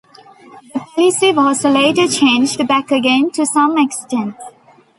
The policy was later changed back again to some extent.